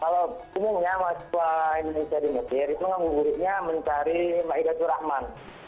kalau umumnya masuklah indonesia di mesir itu ngabuburitnya mencari ma'idah surahman